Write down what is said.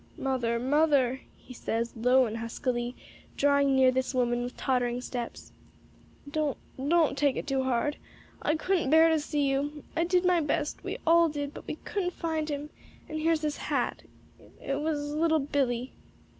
"Mother, mother," he says, low and huskily, drawing near this woman with tottering steps, "don't don't take it too hard. I I couldn't bear to see you. I did my best; we all did; but we couldn't find him; and here's his hat. It it was little Billy."